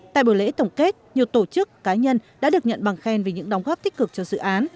tại buổi lễ tổng kết nhiều tổ chức cá nhân đã được nhận bằng khen vì những đóng góp tích cực cho dự án